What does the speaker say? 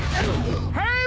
はい。